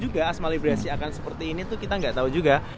jadi lagu asmali brasi akan seperti ini tuh kita gak tau juga